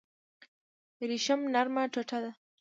ریشم نرمه ټوټه ده